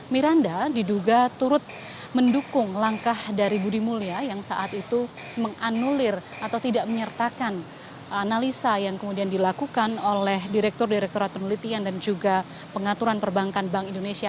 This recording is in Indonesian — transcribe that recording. frida ini adalah memasuki bulan november dua ribu delapan bank senturi ditetapkan sebagai bank gagal berdampak sistemik oleh segenap dewan gubernur bank indonesia